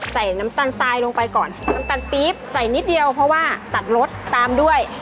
ใส่น้ำตาลทรายลงไปก่อนน้ำตาลปี๊บใส่นิดเดียวเพราะว่าตัดรสตามด้วย